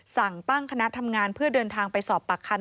สั่งตั้งคณะทำงานเพื่อเดินทางไปสอบปากคำ